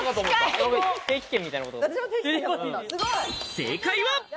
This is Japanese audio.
正解は？